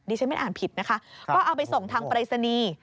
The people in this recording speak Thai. ฉันไม่อ่านผิดนะคะก็เอาไปส่งทางปรายศนีย์